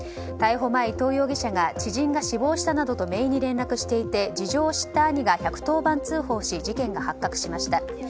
逮捕前、伊藤容疑者が知人が死亡したなどとめいに連絡していて事情を知った兄が１１０番通報し事件が発覚しました。